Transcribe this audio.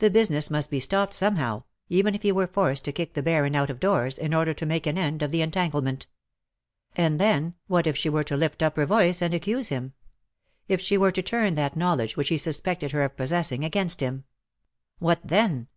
The business must be stopped somehow, even if he were forced to kick the Baron out of doors, in order to make an end of the en tanglement. And then, what if she were to lift up her voice, and accuse him — if she were to turn that knowledgewhichhesuspected her of possessing, against him ? What then